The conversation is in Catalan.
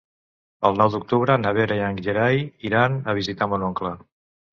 El nou d'octubre na Vera i en Gerai iran a visitar mon oncle.